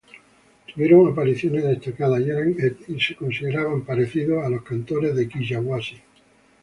Tuvieron apariciones destacadas, y eran considerados parecidos a Los Cantores de Quilla Huasi.